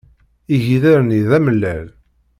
Igider-nni d amellal.